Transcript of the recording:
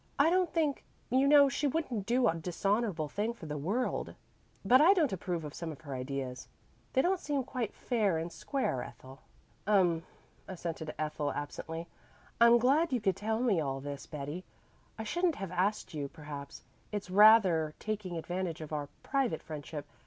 I don't think you know she wouldn't do a dishonorable thing for the world, but I don't approve of some of her ideas; they don't seem quite fair and square, Ethel." "Um," assented Ethel absently. "I'm glad you could tell me all this, Betty. I shouldn't have asked you, perhaps; it's rather taking advantage of our private friendship.